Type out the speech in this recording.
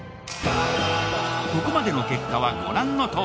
ここまでの結果はご覧のとおり。